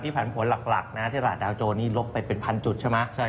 ผันผลหลักนะที่ตลาดดาวโจรนี่ลบไปเป็นพันจุดใช่ไหม